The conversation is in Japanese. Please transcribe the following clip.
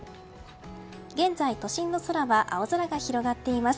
現在、都心の空は青空が広がっています。